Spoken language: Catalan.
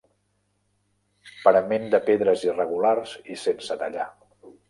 Parament de pedres irregulars i sense tallar.